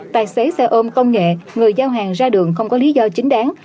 tài xế xe ôm công nghệ người giao hàng ra đường không có lý do chính đáng